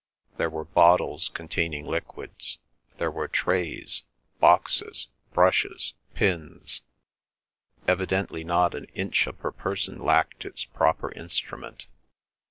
There were bottles containing liquids; there were trays, boxes, brushes, pins. Evidently not an inch of her person lacked its proper instrument.